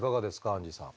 アンジェさん。